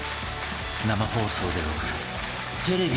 生放送で送るテレビ